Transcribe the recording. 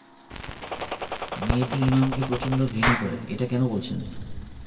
মেয়েটি ইমামকে প্রচণ্ড ঘৃণা করে, এটা কেন বলছেন?